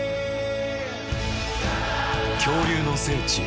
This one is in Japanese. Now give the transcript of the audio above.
恐竜の聖地